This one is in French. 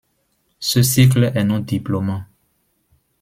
Ce cycle est non-diplômant.